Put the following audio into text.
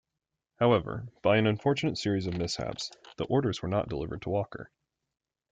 However, by an unfortunate series of mishaps, the orders were not delivered to Walker.